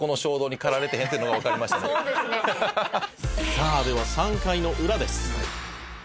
「さあでは３回のウラです」